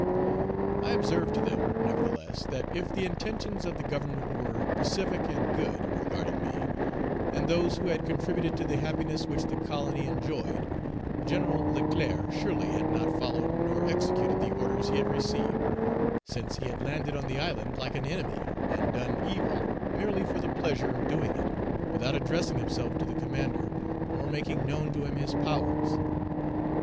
I observed to them, nevertheless, that if the intentions of the Government were pacific and good regarding me and those who had contributed to the happiness which the colony enjoyed, Gen. Leclerc surely had not followed nor Page 302 executed the orders he had received, since he had landed on the island like an enemy, and done evil merely for the pleasure of doing it, without addressing himself to the commander or making known to him his powers.